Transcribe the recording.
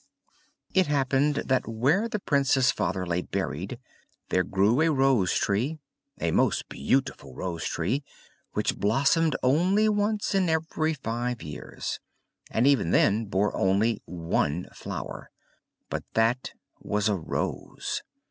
It happened that where the Prince's father lay buried, there grew a rose tree a most beautiful rose tree, which blossomed only once in every five years, and even then bore only one flower, but that was a rose!